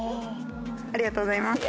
ありがとうございます。